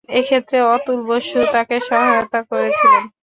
এক্ষেত্রে অতুল বসু তাকে সহায়তা করেছিলেন।